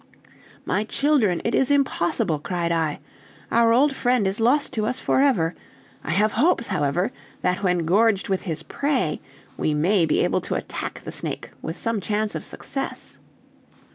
"My children, it is impossible!" cried I. "Our old friend is lost to us for ever! I have hopes, however, that when gorged with his prey we may be able to attack the snake with some chance of success."